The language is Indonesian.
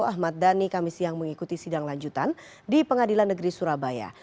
ahmad dhani kami siang mengikuti sidang lanjutan di pengadilan negeri surabaya